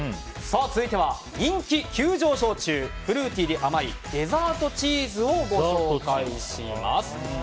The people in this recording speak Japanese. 続いては人気急上昇中フルーティーで甘いデザートチーズをご紹介します。